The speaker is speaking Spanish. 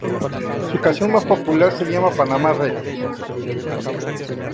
Su canción más popular se llama "Panama Red.